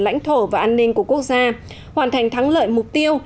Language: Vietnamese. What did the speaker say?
lãnh thổ và an ninh của quốc gia hoàn thành thắng lợi mục tiêu